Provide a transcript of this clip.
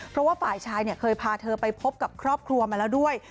เพราะว่าฝ่ายชายเคยพาเธอไปพบกับครอบครัวมาแล้วด้วย